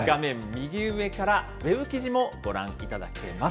右上からウェブ記事もご覧いただけます。